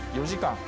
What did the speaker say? ４時間。